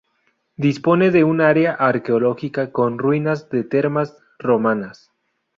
Dispone de un área arqueológica con ruinas de termas romanas.